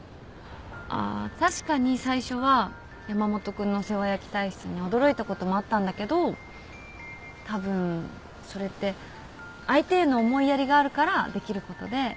あっ確かに最初は山本君の世話焼き体質に驚いたこともあったんだけどたぶんそれって相手への思いやりがあるからできることで。